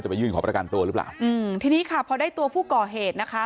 ไปยื่นขอประกันตัวหรือเปล่าอืมทีนี้ค่ะพอได้ตัวผู้ก่อเหตุนะคะ